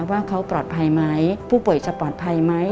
ว่าเขาปลอดภัยไหมผู้ป่วยจะปลอดภัยไหม